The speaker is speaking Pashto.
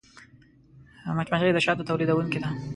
مچمچۍ د شاتو تولیدوونکې ده